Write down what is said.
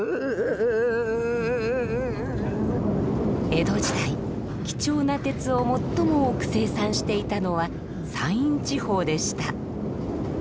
江戸時代貴重な鉄を最も多く生産していたのは山陰地方でした。